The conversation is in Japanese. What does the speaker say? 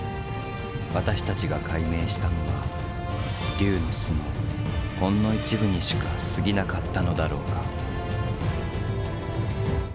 私たちが解明したのは龍の巣のほんの一部にしかすぎなかったのだろうか。